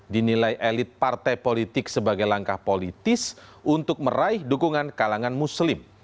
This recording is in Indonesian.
dinilai elit partai politik sebagai langkah politis untuk meraih dukungan kalangan muslim